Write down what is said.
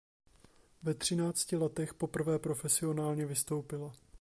Ve třinácti letech poprvé profesionálně vystoupila.